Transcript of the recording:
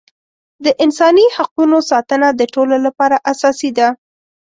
د انساني حقونو ساتنه د ټولو لپاره اساسي ده.